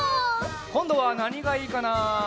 こんどはなにがいいかな？